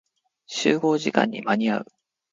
集合時間に間に合う。